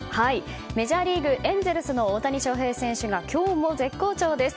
メジャーリーグエンゼルスの大谷翔平選手が今日も絶好調です。